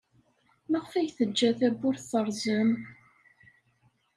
Maɣef ay teǧǧa tawwurt terẓem?